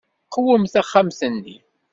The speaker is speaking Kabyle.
Qwem taxxamt-nni.